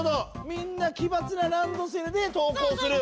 みんな奇抜なランドセルで登校する。